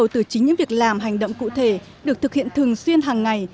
từ chính những việc làm hành động cụ thể được thực hiện thường xuyên hàng ngày